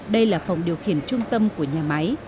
đây là phòng điều khiển trung tâm của nhà máy